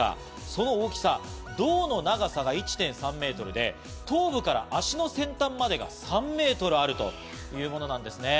その大きさ胴の長さが１．３メートルで、頭部から足の先端までが３メートルあるというものなんですね。